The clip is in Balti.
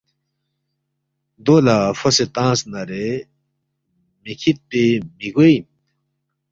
دو لہ فوسے تنگس نارے مِہ کھیدپے مِہ گوے اِن